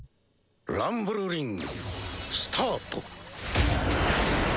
ランブルリングスタート。